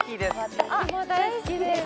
大好きです